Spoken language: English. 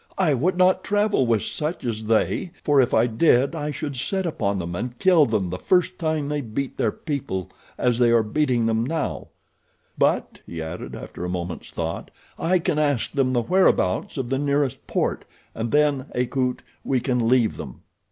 "I would not travel with such as they, for if I did I should set upon them and kill them the first time they beat their people as they are beating them now; but," he added, after a moment's thought, "I can ask them the whereabouts of the nearest port, and then, Akut, we can leave them."